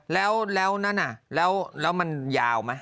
แล้วมันยาวไหม